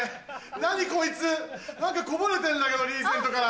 何こいつ何かこぼれてんだけどリーゼントから。